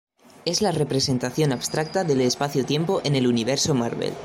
Es la representación abstracta del espacio-tiempo en el Universo Marvel.